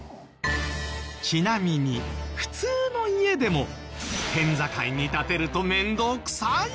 ちなみに普通の家でも県境に建てると面倒くさい事が。